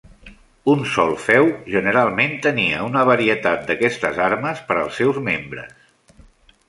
Un sol feu generalment tenia una varietat d'aquestes armes per als seus membres.